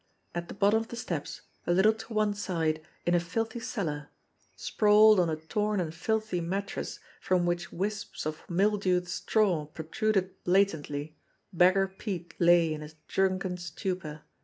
At the bottom of the steps, a little to one side, in a filthy cellar, sprawled on a torn and filthy mattress from which wisps of mildewed straw protruded blatantly, Beggar Pete lay in a drunken stupor.